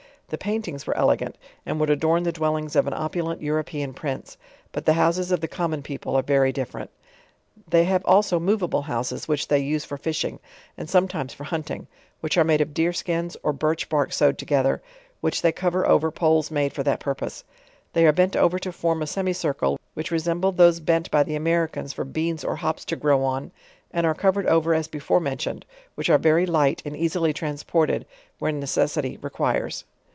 * The paintings were elegant, and would adorn the dwellings of an opulent European Prince. But the houses of the com mon people are very different. They have also moveable houses, which they use' for fish* ing, and sometimes for hunting; which are made of deer skins, or birch bark sewed together, whidh they cover over poles made for that purpose; they are bent over to form a semicircle, which resemble those bent by the Americans for beans or hops to grow on, and are covered over as before mentioned, which are very ligt and easily transported where necessity requires.